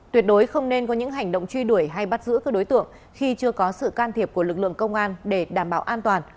tuyệt đối không nên có những hành động truy đuổi hay bắt giữ các đối tượng khi chưa có sự can thiệp của lực lượng công an